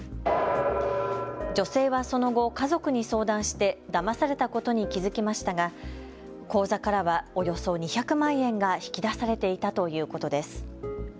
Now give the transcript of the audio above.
女性はその後、家族に相談してだまされたことに気付きましたが口座からはおよそ２００万円が引き出されていたということです。